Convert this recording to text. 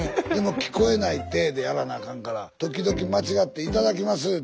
でも聞こえない体でやらなあかんから時々間違って「いただきます」